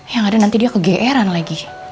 ya gak ada nanti dia kegeeran lagi